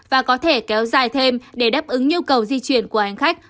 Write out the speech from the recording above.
và có thể kéo dài thêm để đáp ứng nhu cầu di chuyển của hành khách